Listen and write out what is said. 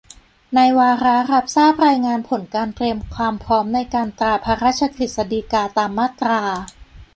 ในวาระรับทราบรายงานผลการเตรียมความพร้อมในการตราพระราชกฤษฎีกาตามมาตรา